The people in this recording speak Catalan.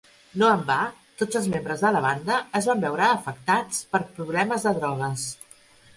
No en va, tots els membres de la banda es van veure afectats per problemes de drogues.